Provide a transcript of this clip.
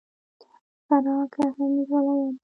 فراه کرهنیز ولایت دی.